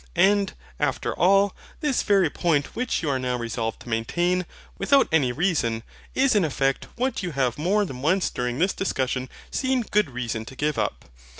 And, after all, this very point which you are now resolved to maintain, without any reason, is in effect what you have more than once during this discourse seen good reason to give up.